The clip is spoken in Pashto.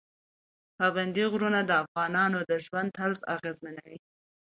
پابندی غرونه د افغانانو د ژوند طرز اغېزمنوي.